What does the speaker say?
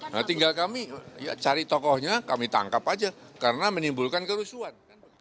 nah tinggal kami ya cari tokohnya kami tangkap aja karena menimbulkan kerusuhan